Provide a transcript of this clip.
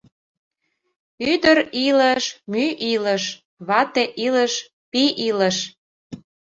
Ӱдыр илыш — мӱй илыш, вате илыш — пий илыш.